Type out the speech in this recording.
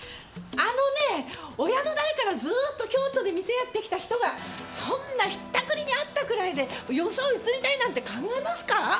あのねぇ親の代からずーっと京都で店やってきた人がそんな引ったくりにあったくらいで他所へ移りたいなんて考えますか？